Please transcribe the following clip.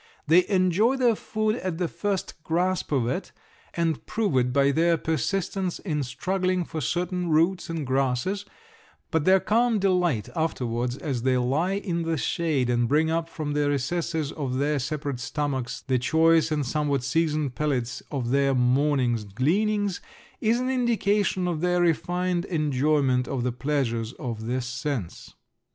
They enjoy their food at the first grasp of it, and prove it by their persistence in struggling for certain roots and grasses, but their calm delight afterwards as they lie in the shade and bring up from the recesses of their separate stomachs the choice and somewhat seasoned pellets of their morning's gleanings is an indication of their refined enjoyment of the pleasures of this sense.